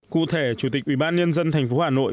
cụ thể chủ tịch ubnd tp hà nội